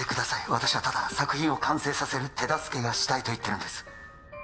私はただ作品を完成させる手助けがしたいと言ってるんです